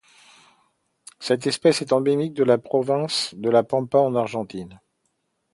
Cette espèce est endémique de la province de La Pampa en Argentine.